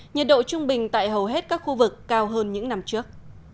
nhiệt độ trung bình tại hầu hết các khu vực cao hơn những năm trước